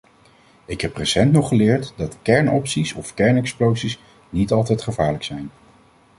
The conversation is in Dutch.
Ik heb recent nog geleerd dat kernopties of kernexplosies niet altijd gevaarlijk zijn.